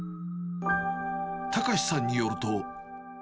隆さんによると。